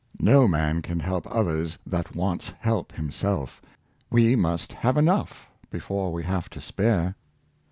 No man can help others that wants help himself; we must have enough before we have to spare."